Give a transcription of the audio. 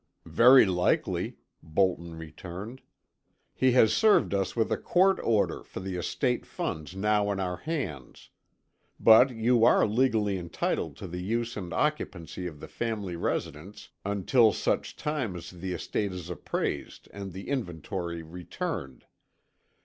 "Very likely," Bolton returned. "He has served us with a court order for the estate funds now in our hands. But you are legally entitled to the use and occupancy of the family residence until such time as the estate is appraised and the inventory returned.